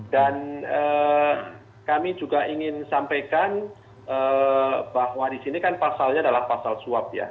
dan kami juga ingin sampaikan bahwa disini kan pasalnya adalah pasal suap ya